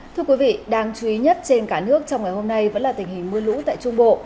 thưa quý vị đáng chú ý nhất trên cả nước trong ngày hôm nay vẫn là tình hình mưa lũ tại trung bộ